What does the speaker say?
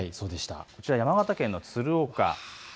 こちら山形県の鶴岡。